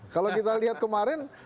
kalau kita lihat kemarin